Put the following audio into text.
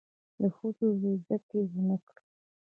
د ښوونځي عزت یې ونه کړ.